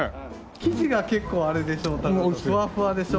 生地が結構あれでしょ高田さんふわふわでしょ？